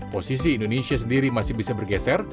posisi indonesia sendiri masih bisa bergeser